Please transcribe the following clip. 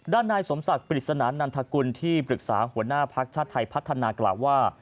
นายสมศักดิ์ปริศนานันทกุลที่ปรึกษาหัวหน้าภักดิ์ชาติไทยพัฒนากล่าวว่า